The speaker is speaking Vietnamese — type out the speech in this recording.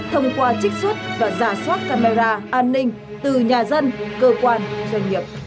thông qua trích xuất và giả soát camera an ninh từ nhà dân cơ quan doanh nghiệp